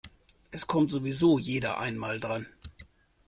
Es kommt sowieso jeder einmal dran.